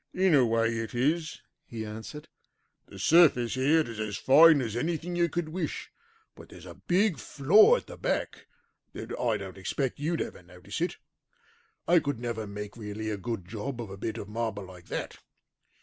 "In a way it is," he answered; "the surface here is as fine as anything you could wish, but there's a big flaw at the back, though I don't expect you'd ever notice it. I could never make really a good job of a bit of marble like that.